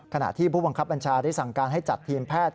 ขณะที่ผู้บังคับบัญชาได้สั่งการให้จัดทีมแพทย์